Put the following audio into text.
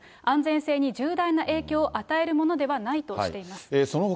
安全性に重大な影響を与えるものではないとしています。